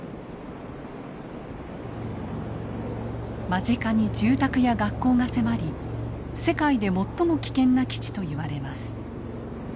間近に住宅や学校が迫り世界で最も危険な基地と言われます。